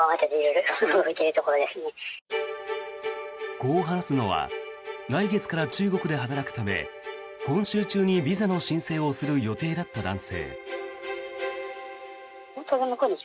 こう話すのは来月から中国で働くため今週中にビザの申請をする予定だった男性。